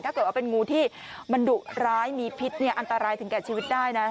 ถ้าเกิดว่าเป็นงูที่มันดุร้ายมีพิษเนี่ยอันตรายถึงแก่ชีวิตได้นะ